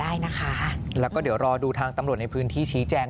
ได้นะคะแล้วก็เดี๋ยวรอดูทางตำรวจในพื้นที่ชี้แจง